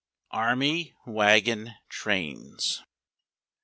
AEMY WAGON TRAINS.